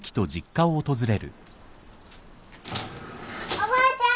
おばあちゃん！